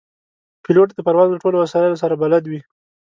پیلوټ د پرواز له ټولو وسایلو سره بلد وي.